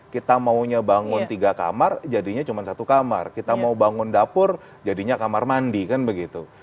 kita maunya bangun tiga kamar jadinya cuma satu kamar kita mau bangun dapur jadinya kamar mandi kan begitu